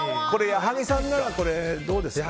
矢作さんならどうですか？